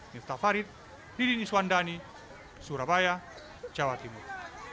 niftah farid didi niswandani surabaya jawa timur